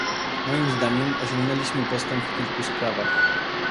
Moim zdaniem osiągnęliśmy postęp w kilku sprawach